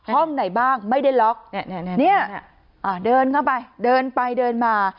ห้องไหนบ้างไม่ได้ล็อกเดินเข้าไปเดินไปเดินมา